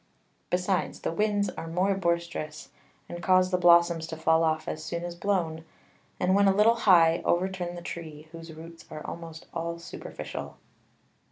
Besides, the Winds are more boisterous, and cause the Blossoms to fall off as soon as blown, and when a little high, overturn the Tree, whose Roots are almost all superficial.